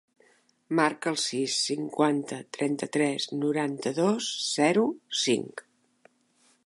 Marca el sis, cinquanta, trenta-tres, noranta-dos, zero, cinc.